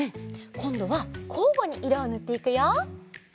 こんどはこうごにいろをぬっていくよ。